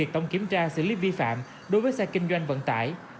việc tổng kiểm tra xử lý vi phạm đối với xe kinh doanh vận tải